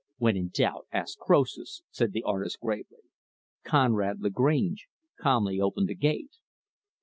"When in doubt, ask Croesus," said the artist, gravely. Conrad Lagrange calmly opened the gate.